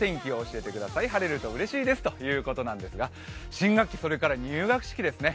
新学期、それから入学式ですね。